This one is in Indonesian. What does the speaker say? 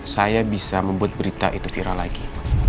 saya bisa membuat berita itu viral lagi